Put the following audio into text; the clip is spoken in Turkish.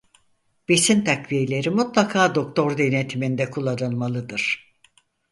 Besin takviyeleri mutlaka doktor denetimde kullanılmalıdır.